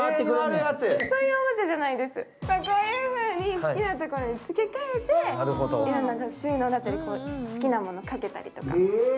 好きなところに付け替えて、収納だったり好きなものを掛けたりとか。